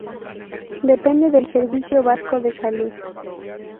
Depende del Servicio Vasco de Salud.